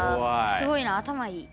すごいな頭いい。